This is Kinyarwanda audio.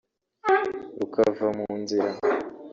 rukava mu nzira